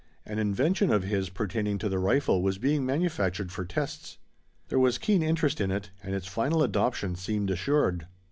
An invention of his pertaining to the rifle was being manufactured for tests. There was keen interest in it and its final adoption seemed assured.